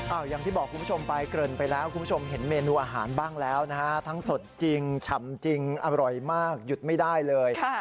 อย่างที่บอกคุณผู้ชมไปเกริ่นไปแล้วคุณผู้ชมเห็นเมนูอาหารบ้างแล้วนะฮะทั้งสดจริงฉ่ำจริงอร่อยมากหยุดไม่ได้เลย